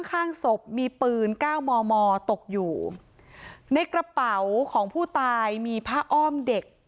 ข้างศพมีปืนเก้ามอมอตกอยู่ในกระเป๋าของผู้ตายมีผ้าอ้อมเด็ก